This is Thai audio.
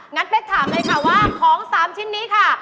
งั้นแพทย์ถามเลยค่ะว่าของ๓ชิ้นนี้ค่ะ